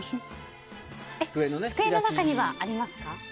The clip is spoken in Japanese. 机の中にはありますか？